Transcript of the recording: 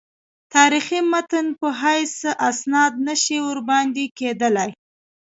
تاریخي متن په حیث استناد نه شي ورباندې کېدلای.